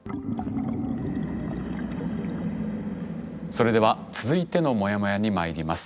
それでは続いてのモヤモヤに参ります。